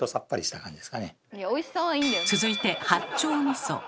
続いて八丁みそ。